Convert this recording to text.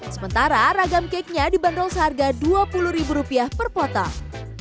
sementara ragam cake nya dibanderol seharga dua puluh ribu rupiah per potong